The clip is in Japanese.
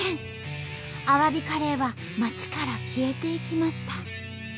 アワビカレーは町から消えていきました。